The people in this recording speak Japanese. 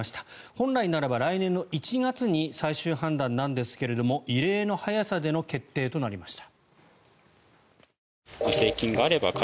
本来ならば来年１月に最終判断なんですが異例の早さでの決定となりました。